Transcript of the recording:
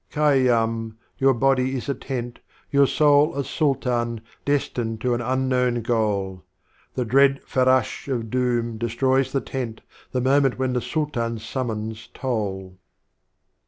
VIII. Khayyiim, j^our body is a Tent, your Soul, A Sultan, destined to an Unknown Goal; The Dread Ferrdsh'" of Doom destroys the Tent, The Moment when the Sultan's Summons toll.